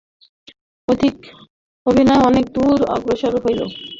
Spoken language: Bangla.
অভিনয় অনেক দুর অগ্রসর হইল।